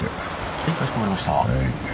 はいかしこまりました。